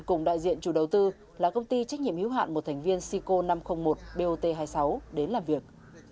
cùng đại diện chủ đầu tư là công ty trách nhiệm hiếu hạn một thành viên sico năm trăm linh một bot hai mươi sáu đến làm việc